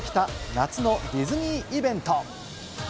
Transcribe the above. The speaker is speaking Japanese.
夏のディズニーイベント。